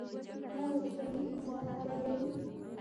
آیا وچکالي اقتصاد خرابوي؟